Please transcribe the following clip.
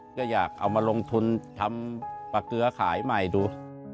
ก็อยากเอามาลงทุนทำปลาเกลือขายใหม่ดู